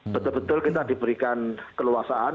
betul betul kita diberikan keluasaan